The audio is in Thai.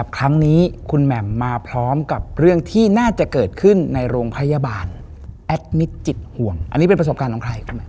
ครั้งนี้คุณแหม่มมาพร้อมกับเรื่องที่น่าจะเกิดขึ้นในโรงพยาบาลแอดมิตรจิตห่วงอันนี้เป็นประสบการณ์ของใครคุณแม่